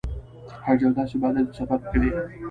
حج یو داسې عبادت دی چې سفر پکې دی.